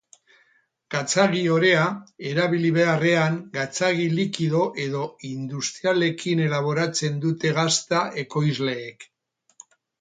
Gatzagi-orea erabili beharrean, gatzagi likido edo industrialekin elaboratzen dute gazta ekoizleek.